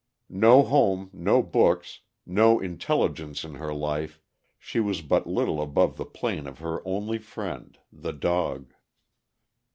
No home, no books, no intelligence in her life, she was but little above the plane of her only friend, the dog.